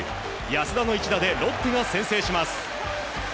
安田の一打でロッテが先制します。